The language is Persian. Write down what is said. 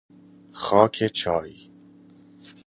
خاک چای